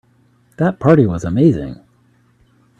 That party was amazing.